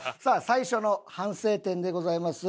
最初の反省点でございます。